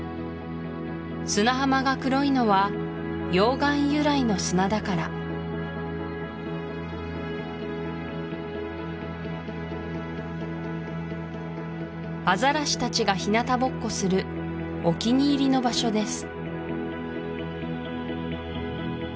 砂浜が黒いのは溶岩由来の砂だからアザラシたちがひなたぼっこするお気に入りの場所です